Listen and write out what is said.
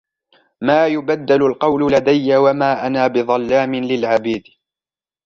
مَا يُبَدَّلُ الْقَوْلُ لَدَيَّ وَمَا أَنَا بِظَلَّامٍ لِلْعَبِيدِ